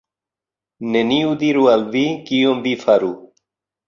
Neniu diru al vi, kion vi faru.